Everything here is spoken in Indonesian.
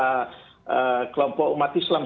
ya kelompok umat islam